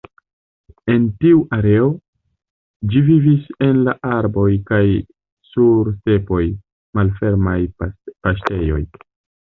En tiu areo, ĝi vivis en la arboj kaj sur stepoj, malfermaj paŝtejoj.